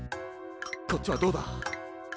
こっちはどうだ？